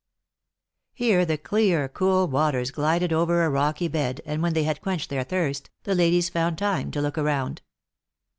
Here the clear, cool waters glided over a rocky bed, and when they had quenched their thirst, the ladies found time to look around.